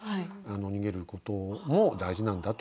逃げることも大事なんだと。